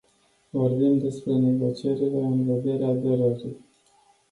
Vorbim despre negocierile în vederea aderării.